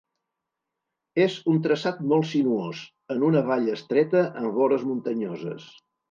És un traçat molt sinuós, en una vall estreta amb vores muntanyoses.